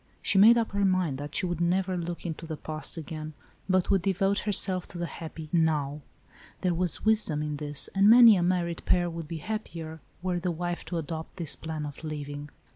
She made up her mind that she would never look into the past again, but would devote herself to the happy " now." There was wisdom in this, and many a married pair would be happier, were the wife to adopt this plan of living.